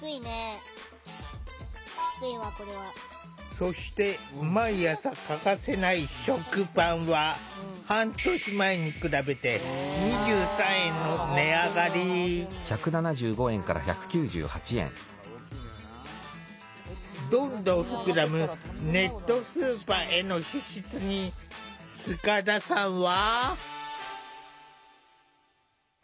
そして毎朝欠かせない食パンは半年前に比べてどんどん膨らむネットスーパーへの支出に塚田さんは。